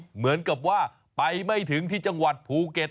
เหมือนกับว่าไปไม่ถึงที่จังหวัดภูเก็ต